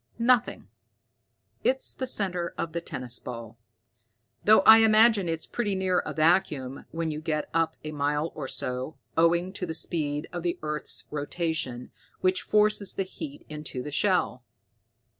"Nothing. It's the center of the tennis ball, though I imagine it's pretty near a vacuum when you get up a mile or so, owing to the speed of the earth's rotation, which forces the heat into the shell."